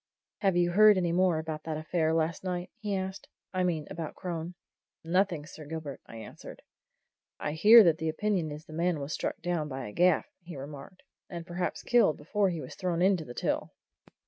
"Have you heard any more about that affair last night?" he asked. "I mean about Crone?" "Nothing, Sir Gilbert," I answered. "I hear that the opinion is that the man was struck down by a gaff," he remarked. "And perhaps killed before he was thrown into the Till."